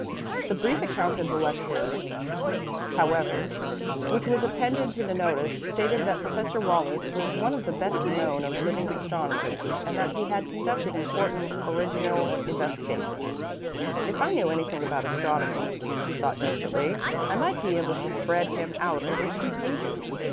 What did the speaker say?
The brief account of the lecturer, however, which was appended to the notice, stated that Professor Wallis was one of the best known of living astronomers, and that he had conducted important original investigations. "If I knew anything about astronomy," she thought desperately, "I might be able to spread him out over two pages."